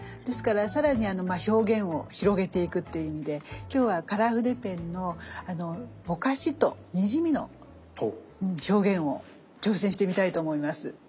ですから更に表現を広げていくっていう意味で今日はカラー筆ペンのぼかしとにじみの表現を挑戦してみたいと思います。